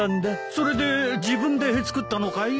それで自分で作ったのかい？